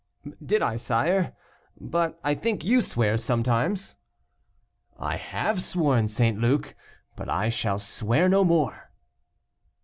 "Did I, sire? but I think you swear sometimes." "I have sworn, St. Luc, but I shall swear no more."